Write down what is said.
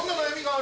あ！